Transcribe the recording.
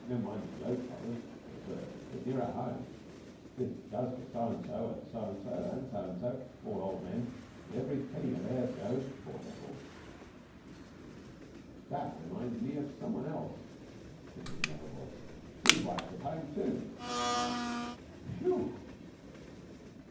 'Never mind the globe trotters,' said a third. 'Look nearer home. This does for so and so, and so and so, and so and so, all old men; and every penny of theirs goes.' Poor devils!' 'That reminds me of some one else,' said yet another voice, 'His wife's at home, too. Whew!'